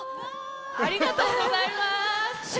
ありがとうございます。